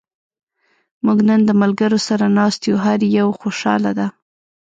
موږ نن د ملګرو سره ناست یو. هر یو خوشحاله دا.